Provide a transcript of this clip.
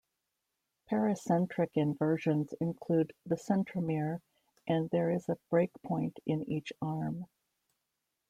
Pericentric inversions include the centromere and there is a break point in each arm.